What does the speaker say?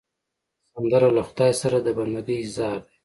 سندره له خدای سره د بندګي اظهار دی